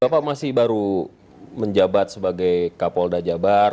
bapak masih baru menjabat sebagai kapolda jabar